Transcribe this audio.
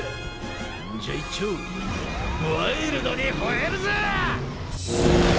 んじゃいっちょうワイルドに吠えるぜ！！！